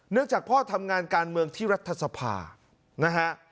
จากพ่อทำงานการเมืองที่รัฐสภานะฮะ